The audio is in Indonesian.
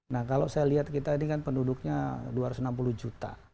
nah kalau saya lihat kita ini kan penduduknya dua ratus enam puluh juta